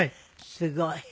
すごい。